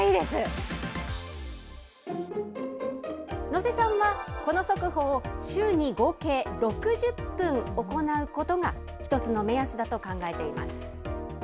能勢さんは、この速歩を週に合計６０分行うことが１つの目安だと考えています。